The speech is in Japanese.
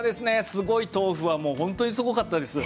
「すごいとうふ」は本当にすごかったです。